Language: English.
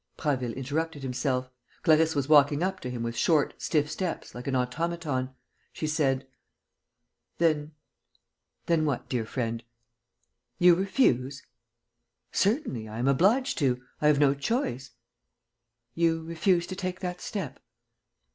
Prasville interrupted himself. Clarisse was walking up to him with short, stiff steps, like an automaton. She said: "Then...." "Then what, dear friend?" "You refuse?" "Certainly, I am obliged to; I have no choice." "You refuse to take that step?"